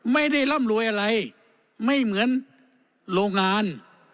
ร่ำรวยอะไรไม่เหมือนโรงงาน